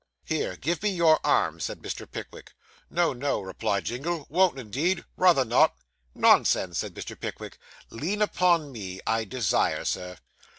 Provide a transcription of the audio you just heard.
'Here, give me your arm,' said Mr. Pickwick. 'No, no,' replied Jingle; 'won't indeed rather not.' 'Nonsense,' said Mr. Pickwick; 'lean upon me, I desire, Sir.